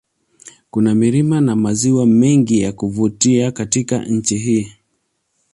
Kuna milima na maziwa mengi ya kuvutiw Katika nchi hii